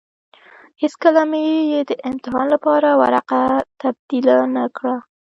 هېڅکله مې يې د امتحان لپاره ورقه تبديله نه کړه.